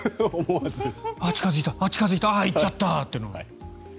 あっ、近付いた、近付いたあっ、行っちゃったって。